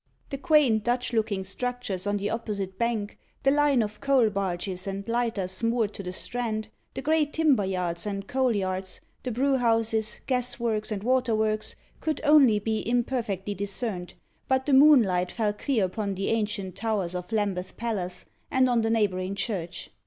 The quaint, Dutch looking structures on the opposite bank, the line of coal barges and lighters moored to the strand, the great timber yards and coal yards, the brewhouses, gasworks, and waterworks, could only be imperfectly discerned; but the moonlight fell clear upon the ancient towers of Lambeth Palace, and on the neighbouring church.